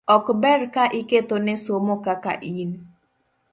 ok ber ka iketho ne somo kaka in.